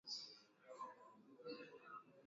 zama hizo ziligunduliwa na wenyeji wa eneo hilo